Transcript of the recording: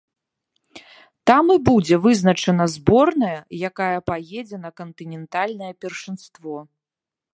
Там і будзе вызначана зборная, якая паедзе на кантынентальнае першынство.